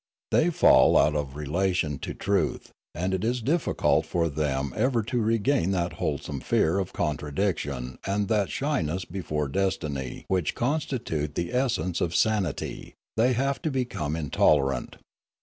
They fall out of relation to truth, and it is difficult for them ever to regain that wholesome fear of contradiction and that shyness before destiny which constitute the essence of sanity; they have to become intolerant.